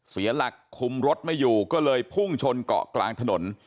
เสียหลักคุมรถไม่อยู่ก็เลยพุ่งชนเกาะกลางถนน